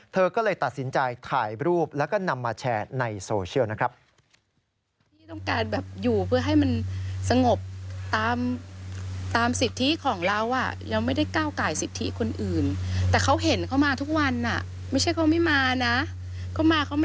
เธอก็เลยตัดสินใจถ่ายรูปแล้วก็นำมาแชร์ในโซเชียลนะครับ